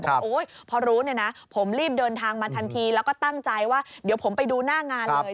บอกว่าพอรู้เนี่ยนะผมรีบเดินทางมาทันทีแล้วก็ตั้งใจว่าเดี๋ยวผมไปดูหน้างานเลย